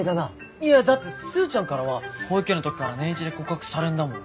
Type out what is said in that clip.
いやだってスーちゃんからは保育園の時から年１で告白されんだもん。